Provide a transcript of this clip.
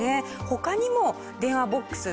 他にも電話ボックス